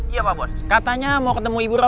iya pak bos katanya mau ketemu ibu ros